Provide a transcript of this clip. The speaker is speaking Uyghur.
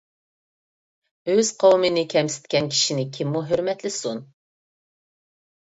ئۆز قوۋمىنى كەمسىتكەن كىشىنى كىممۇ ھۆرمەتلىسۇن؟ !